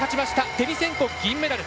デニセンコ、銀メダル。